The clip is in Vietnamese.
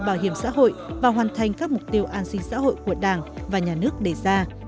bảo hiểm xã hội và hoàn thành các mục tiêu an sinh xã hội của đảng và nhà nước đề ra